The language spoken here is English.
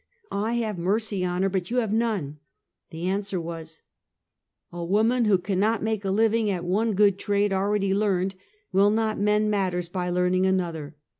I have mercy on her, but you have none." The answer was: " A woman who cannot make a living at one good trade already learned, will not mend matters by learn ing another.